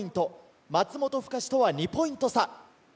松本深志とは２ポイント差。